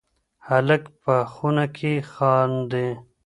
هلک په خونه کې خاندي.